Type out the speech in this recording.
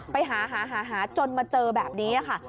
ไปหาหาจนมาเจอแบบนี้ค่ะ